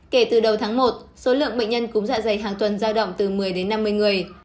kể từ đầu tháng một số lượng bệnh nhân cúm dạ dày hàng tuần giao động từ một mươi đến năm mươi người